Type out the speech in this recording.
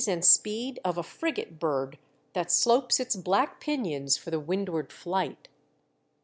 and speed of a frigate bird that slopes its black pinions for the windward flight.